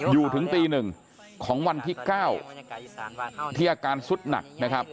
อยู่ถึงตี๑ของวันที่๙ที่อาการสุดหนักนะครับ